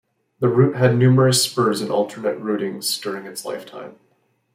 The route had numerous spurs and alternate routings during its lifetime.